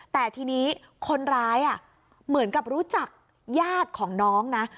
แต่ทีนี้คนร้ายเหมือนกับรู้จักญาติของน้องนะ